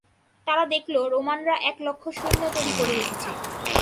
তারা দেখল, রোমানরা এক লক্ষ সৈন্য তৈরী করে রেখেছে।